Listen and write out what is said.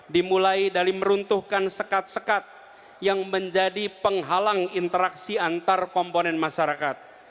dimulai dari meruntuhkan sekat sekat yang menjadi penghalang interaksi antar komponen masyarakat